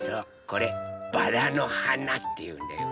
これバラのはなっていうんだよ。